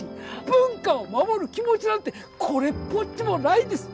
文化を守る気持ちなんてこれっぽっちもないんです。